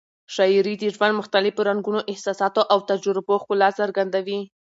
شاعري د ژوند مختلفو رنګونو، احساساتو او تجربو ښکلا څرګندوي.